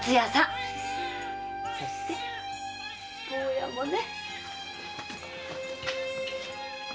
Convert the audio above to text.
そして坊やもね！